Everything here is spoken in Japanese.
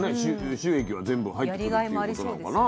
収益は全部入ってくるっていうことなのかなぁ。